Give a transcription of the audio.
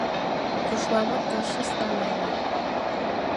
Рушла моткоч чистан ойла.